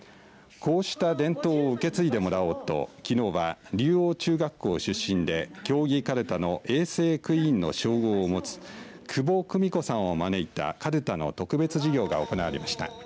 こうした伝統を受け継いでもらおうと、きのうは竜王中学校出身で競技かるたの永世クイーンの称号を持つ久保久美子さんを招いたかるたの特別授業が行われました。